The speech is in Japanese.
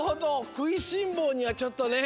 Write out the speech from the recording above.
くいしんぼうにはちょっとね。